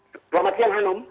selamat siang hanom